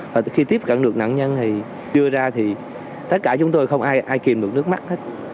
và khi tiếp cận được nạn nhân thì đưa ra thì tất cả chúng tôi không ai ai kìm được nước mắt hết